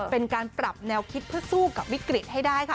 เป็นการปรับแนวคิดเพื่อสู้กับวิกฤตให้ได้ค่ะ